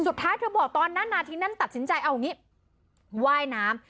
สุดท้ายเธอบอกตอนนั้นนาทีนั้นตัดสินใจเอาอย่างนี้ว่ายน้ำ